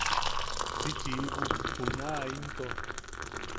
¡Si chiibu junaʼa into!